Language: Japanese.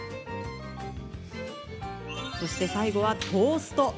そして最後はトースト。